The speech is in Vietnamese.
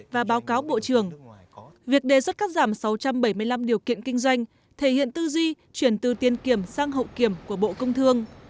và báo cáo bộ trưởng việc đề xuất cắt giảm sáu trăm bảy mươi năm điều kiện kinh doanh thể hiện tư duy chuyển từ tiền kiểm sang hậu kiểm của bộ công thương